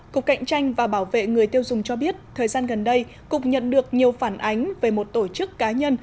cục cạnh tranh và bảo vệ người tiêu dùng cho biết thời gian gần đây cục nhận được nhiều phản ánh về một tổ chức cá nhân